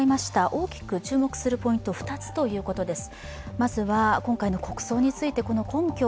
大きく注目するポイント２つということです。